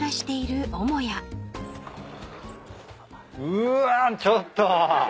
うわちょっと。